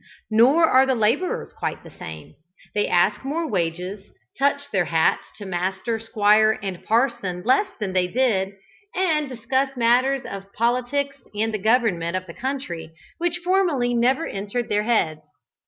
Nor are the labourers quite the same; they ask more wages, touch their hats to master, squire, and parson less than they did, and discuss matters of politics and the government of the country, which formerly never entered their heads.